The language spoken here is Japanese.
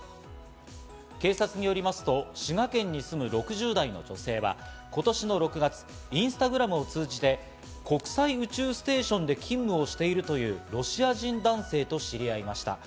警察によりますと、滋賀県に住む６０代の女性は今年の６月、インスタグラムを通じて、国際宇宙ステーションで勤務をしているというロシア人男性と知り合いました。